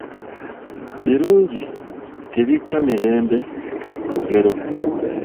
Birungi tebikka mirembe lugero